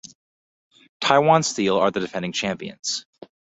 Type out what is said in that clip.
Taiwan Steel are the defending champions.